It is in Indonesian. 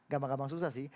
gampang gampang susah sih